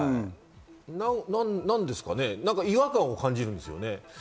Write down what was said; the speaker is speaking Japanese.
なんか違和感を感じるんですよね。